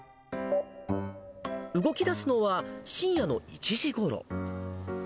動きだすのは、深夜の１時ごろ。